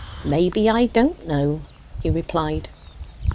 "Maybe I don't know," he replied.